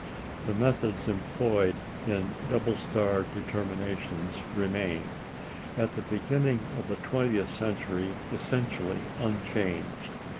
The methods employed in double star determinations remain, at the beginning of the twentieth century, essentially unchanged.